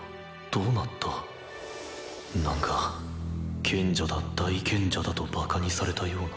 何か賢者だ大賢者だとバカにされたような。